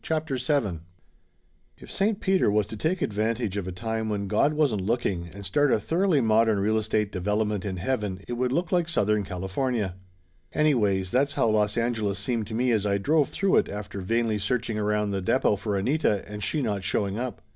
CHAPTER VII TF SAINT PETER was to take advantage of a time when God wasn't looking and start a thor oughly modern real estate development in heaven it would look like Southern California. Anyways, that's how Los Angeles seemed to me as I drove through it after vainly searching around the depot for Anita, and she not showing up.